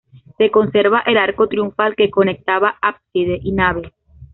Se conserva el arco triunfal que conectaba ábside y nave.